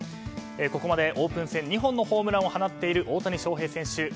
ここまでオープン戦２本のホームランを放っている大谷翔平選手。